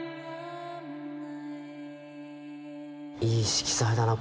いい色彩だな。